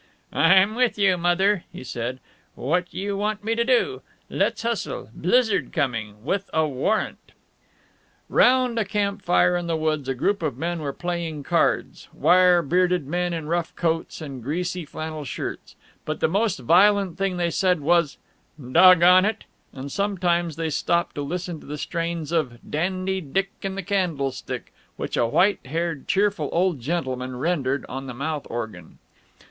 "I'm with you, Mother," he said. "What you want me to do? Let's hustle. Blizzard coming with a warrant." Round a camp fire in the woods a group of men were playing cards, wire bearded men in rough coats and greasy flannel shirts; but the most violent thing they said was "Doggone it," and sometimes they stopped to listen to the strains of "Dandy Dick and the Candlestick," which a white haired cheerful old gentleman rendered on the mouth organ.